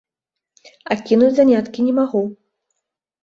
А кінуць заняткі не магу.